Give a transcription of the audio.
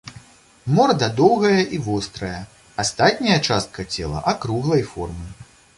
Морда доўгая і вострая, астатняя частка цела акруглай формы.